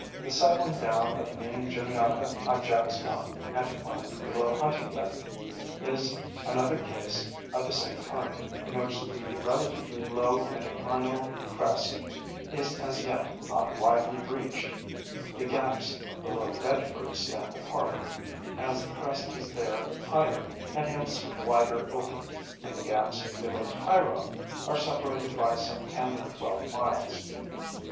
The settling down of the main Juniata on Jack's mountain anticline below Huntingdon is another case of the same kind, in which the relatively low anticlinal crest is as yet not widely breached ; the gaps below Bedford stand apart, as the crest is there higher, and hence wider opened ; and the gaps below Tyrone are separated by some ten or twelve miles.